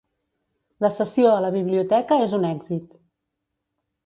La sessió a la biblioteca és un èxit.